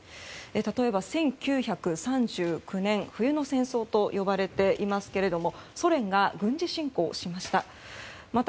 例えば、１９３９年冬の戦争と呼ばれていますがソ連が軍事侵攻しました。